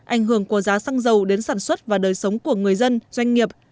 ảnh hưởng của giá xăng dầu đến sản xuất và đời sống của người dân doanh nghiệp